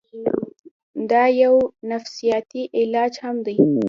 دا يو نفسياتي علاج هم دے